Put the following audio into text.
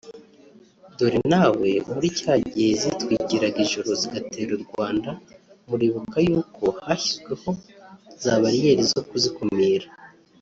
Dore nawe muri cya gihe zitwikiraga ijoro zigatera u Rwanda muribuka yuko hashyizweho za bariyeri zo kuzikumira